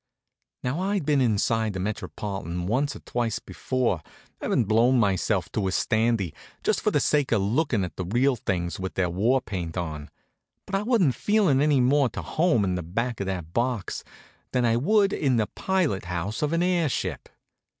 Now I'd been inside the Metropolitan once or twice before, havin' blown myself to a standee just for the sake of lookin' at the real things with their war paint on, but I wasn't feelin' any more to home in the back of that box than I would in the pilot house of an air ship.